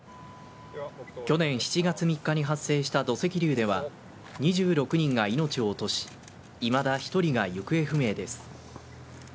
去年７月３日に発生した土石流では２６人が命を落としいまだ１人が行方不明です。